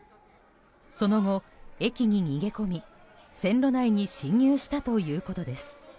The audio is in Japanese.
その後、駅に逃げ込み線路内に侵入したということです。